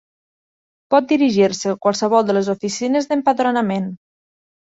Pot dirigir-se a qualsevol de les oficines d'empadronament.